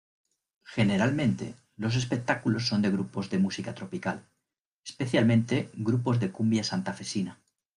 Generalmente los espectáculos son de grupos de música tropical, especialmente grupos de cumbia santafesina.